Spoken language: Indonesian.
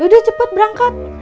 yaudah cepet berangkat